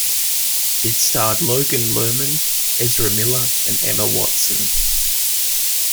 It starred Logan Lerman, Ezra Miller, and Emma Watson.